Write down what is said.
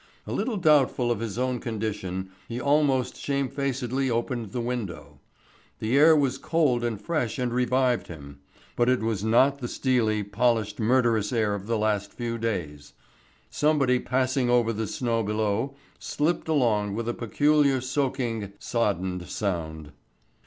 A little doubtful of his own condition he almost shamefacedly opened the window. The air was cold and fresh and revived him, but it was not the steely, polished, murderous air of the last few days. Somebody passing over the snow below slipped along with a peculiar soaking soddened sound.